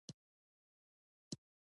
کندز سیند د افغانستان د جغرافیې یوه بېلګه ده.